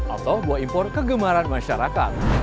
atau buah impor kegemaran masyarakat